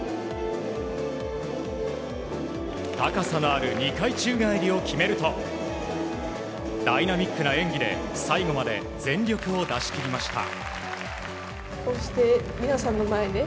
高さのある２回宙返りを決めるとダイナミックな演技で最後まで全力を出し切りました。